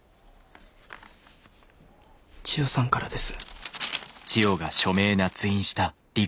千代さんからです。